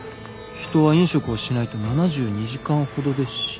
人は飲食をしないと７２時間ほどで死ぬ。